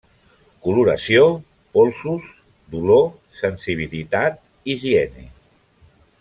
Coloració, polsos, dolor, sensibilitat, higiene.